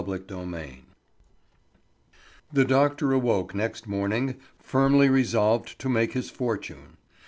CHAPTER III The doctor awoke next morning firmly resolved to make his fortune.